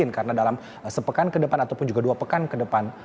karena dalam sepekan ke depan ataupun juga dua pekan ke depan